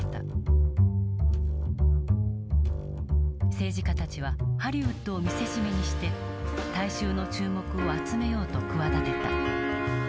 政治家たちはハリウッドを見せしめにして大衆の注目を集めようと企てた。